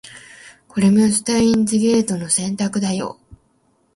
これもシュタインズゲートの選択だよ